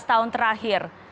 empat belas tahun terakhir